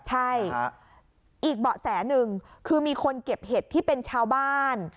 ใช่อีกเบาะแสหนึ่งคือมีคนเก็บเห็ดที่เป็นชาวบ้าน